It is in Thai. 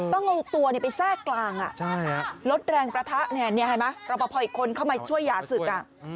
ต้องเอาตัวไปแทรกกลางลดแรงประทะเห็นไหมรอปภอีกคนเข้ามาช่วยหย่าศึก